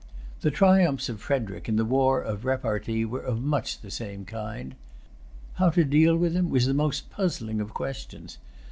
The triumphs of Frederic in the war of repartee were of much the same kind. How to deal with him was the most puzzling of questions.